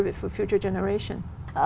và một trường hợp